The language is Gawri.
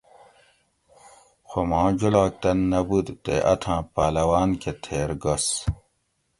خو ماں جولاگ تن نہ بود تے اتھاں پہلوان کہ تھیر گس